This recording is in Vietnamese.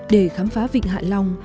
để khám phá vịnh hạ long